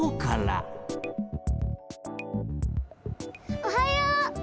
おはよう！